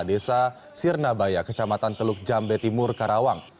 desa sirnabaya kecamatan teluk jambe timur karawang